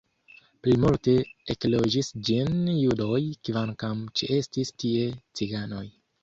Plimulte ekloĝis ĝin judoj, kvankam ĉeestis tie ciganoj.